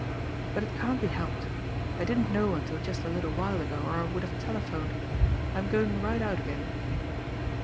"But it can't be helped. I didn't know until just a little while ago, or I would have telephoned. I am going right out again."